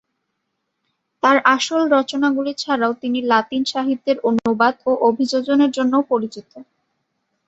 তাঁর আসল রচনাগুলি ছাড়াও তিনি লাতিন সাহিত্যের অনুবাদ ও অভিযোজনের জন্যও পরিচিত।